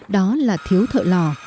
đó là thiếu thợ lò